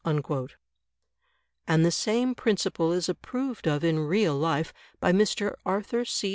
'* And the same principle is approved of in real life by Mr. Arthur C.